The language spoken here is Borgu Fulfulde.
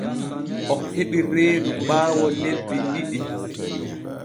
O heɓi reedu ɓaawo lebbi ɗiɗi.